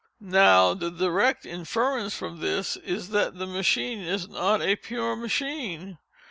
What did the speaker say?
Now the direct inference from this is that the machine is not a pure machine.